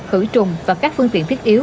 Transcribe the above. khử trùng và các phương tiện thiết yếu